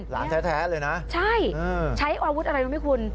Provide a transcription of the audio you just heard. หลานแท้เลยนะใช่ใช้อาวุธอะไรมั้ยคุณ